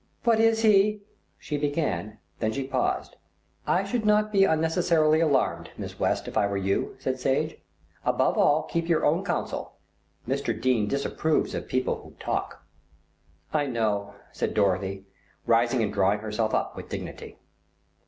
"But is he " she began, then she paused. "I should not be unnecessarily alarmed, Miss West, if I were you," said Sage. "Above all, keep your own counsel. Mr. Dene disapproves of people who talk." "I know," said Dorothy, rising and drawing herself up with dignity.